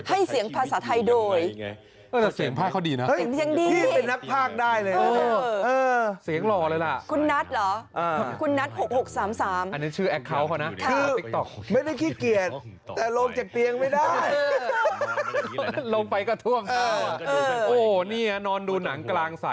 อันนี้ชื่อแอคเคาทก็เนอะ